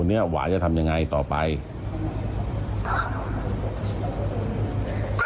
แล้วแฉมมาหาเรื่องจะมาทำร้ายผมทำบาดเงินแบบ